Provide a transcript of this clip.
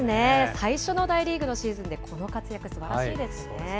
最初の大リーグのシーズンでこの活躍、すばらしいですね。